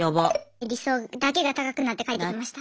理想だけが高くなって帰ってきました。